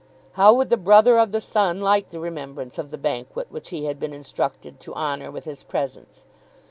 How would the brother of the Sun like the remembrance of the banquet which he had been instructed to honour with his presence?